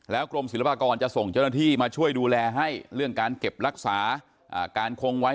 กรมศิลปากรจะส่งเจ้าหน้าที่มาช่วยดูแลให้เรื่องการเก็บรักษาการคงไว้